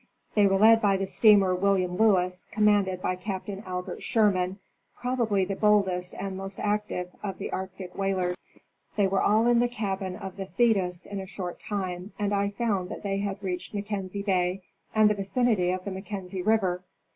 They were led by the steamer William Lewis, commanded by Captain Albert Sherman, probably the boldest and most active of the Arctic whalers. They were all in the cabin of the Thetis in a short time, and I found that they had reached Mackenzie bay and the vicinity of the Mackenzie river.